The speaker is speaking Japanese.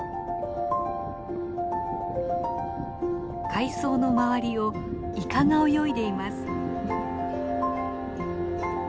海藻の周りをイカが泳いでいます。